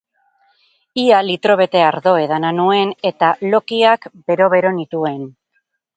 Ia litro bete ardo edana nuen eta lokiak bero-bero nituen.